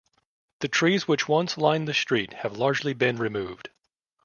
The trees which once lined the street have largely been removed.